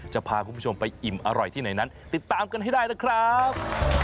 จะพาคุณผู้ชมไปอิ่มอร่อยที่ไหนนั้นติดตามกันให้ได้นะครับ